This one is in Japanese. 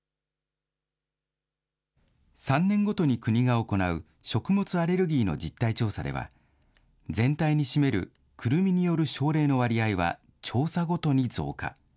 ３年ごとに国が行う、食物アレルギーの実態調査では、全体に占めるくるみによる症例の割合は調査ごとに増加。